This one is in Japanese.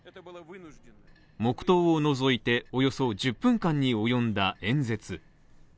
黙とうを除いて、およそ１０分間に及んだ演説。